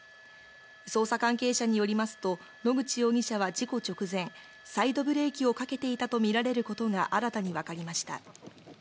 捜査関係者によりますと野口容疑者は事故直前、サイドブレーキをかけていたとみられることが新たに分かりました。